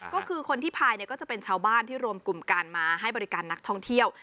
ก็คือคนที่พายก็จะเป็นชาวบ้านที่รวมกลุ่มการมาให้บริการนักท่องเที่ยว